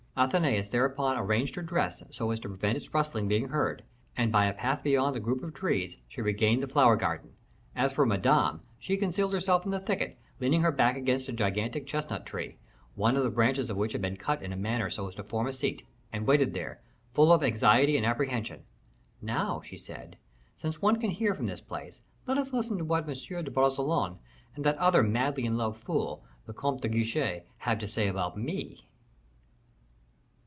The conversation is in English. Athenais thereupon arranged her dress so as to prevent its rustling being heard; and, by a path beyond the group of trees, she regained the flower garden. As for Madame, she concealed herself in the thicket, leaning her back against a gigantic chestnut tree, one of the branches of which had been cut in such a manner as to form a seat, and waited there, full of anxiety and apprehension. "Now," she said, "since one can hear from this place, let us listen to what M. de Bragelonne and that other madly in love fool, the Comte de Guiche, have to say about me."